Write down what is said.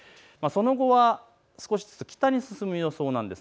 その後は少しずつ北に進む予想なんです。